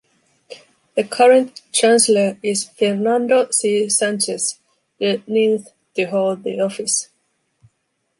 The current chancellor is Fernando C. Sanchez, the ninth to hold the office.